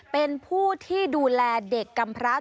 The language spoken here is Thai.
เป็นผู้ที่ดูแลเด็กกำพระ